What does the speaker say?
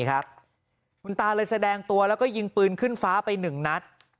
คุณตาเลยแสดงตัวแล้วก็ยิงปืนขึ้นฟ้าไป๑นัด